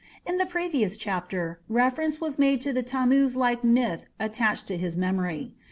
In the previous chapter reference was made to the Tammuz like myth attached to his memory.